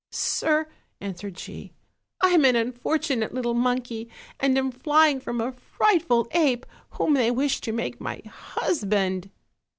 "Sir," answered she, "I am an unfortunate little mon key, and am flying from a frightful ape whom they wish to make my husband."